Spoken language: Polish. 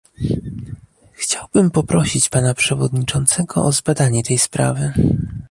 Chciałbym poprosić pana przewodniczącego o zbadanie tej sprawy